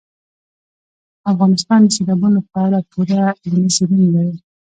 افغانستان د سیلابونو په اړه پوره علمي څېړنې لري.